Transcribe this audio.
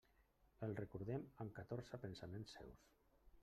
El recordem amb catorze pensaments seus.